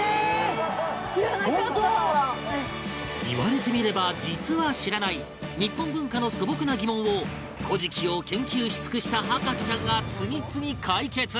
言われてみれば実は知らない日本文化の素朴な疑問を『古事記』を研究し尽くした博士ちゃんが次々解決